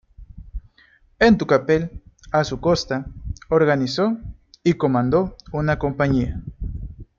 En Tucapel, a su costa, organizó y comandó una compañía.